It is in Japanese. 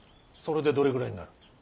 それでどれぐらいになる。